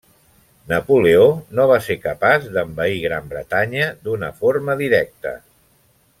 Napoleó no va ser capaç d'envair Gran Bretanya d'una forma directa.